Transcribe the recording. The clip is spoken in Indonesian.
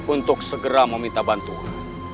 untuk segera meminta bantuan